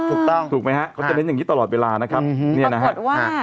ถูกต้องถูกไหมฮะเขาจะเน้นอย่างนี้ตลอดเวลานะครับเนี่ยนะฮะ